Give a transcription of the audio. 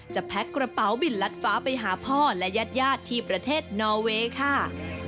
แพ็คกระเป๋าบินลัดฟ้าไปหาพ่อและญาติญาติที่ประเทศนอเวย์ค่ะ